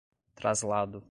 traslado